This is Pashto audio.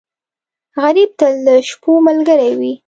غریب تل د شپو ملګری وي